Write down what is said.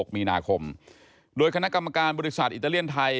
มีนาคมโดยคณะกรรมการบริษัทอิตาเลียนไทย